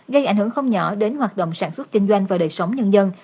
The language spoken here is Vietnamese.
gây ảnh hưởng không nhỏ đến hoạt động sản xuất kinh doanh và đời sống nhân dân